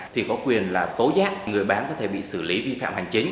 thì có quyền là cấu giác người bán có thể bị xử lý vi phạm hành chính